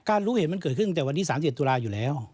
ก็รู้เห็นมันเกิดขึ้นจากวันนี้๓๐ศูนย์ศูนย์อยู่แล้ว